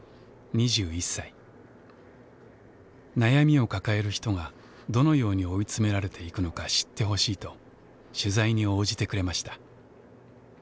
悩みを抱える人がどのように追い詰められていくのか知ってほしいと取材に応じてくれました。